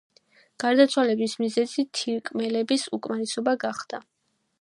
გარდაცვალების მიზეზი თირკმელების უკმარისობა გახდა.